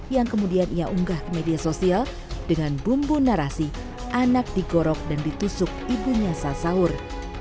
yang kemudian ia unggah ke media sosial dengan bumbu narasi anak digorok dan ditusuk ibunya saat sahur